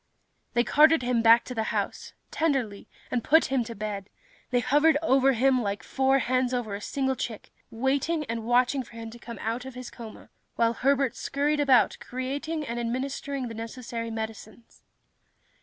They carted him back to the house, tenderly, and put him to bed. They hovered over him like four hens over a single chick, waiting and watching for him to come out of his coma, while Herbert scurried about creating and administering the necessary medicines.